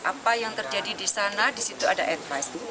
apa yang terjadi di sana di situ ada advice